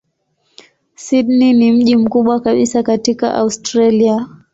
Sydney ni mji mkubwa kabisa katika Australia.